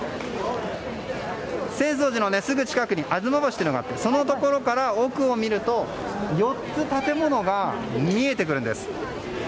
浅草寺のすぐ近くに吾妻橋があってそのところから奥を見ると４つ、建物が見えてくるんです。